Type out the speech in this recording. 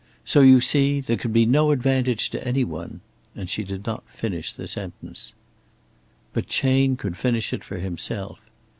So you see, there could be no advantage to any one " and she did not finish the sentence. But Chayne could finish it for himself.